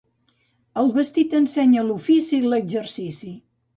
El vestit ensenya l'ofici i l'exercici.